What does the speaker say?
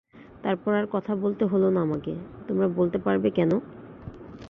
তারপর আর কথা বলতে হলো না আমাকে, তোমরা বলতে পারবে কেন?